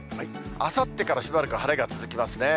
あさってからしばらく晴れが続きますね。